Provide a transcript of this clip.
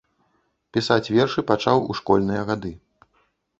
Пісаць вершы пачаў у школьныя гады.